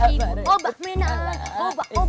ibu hobak menang